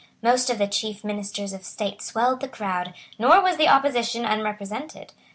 Most of the chief ministers of state swelled the crowd; nor was the opposition unrepresented.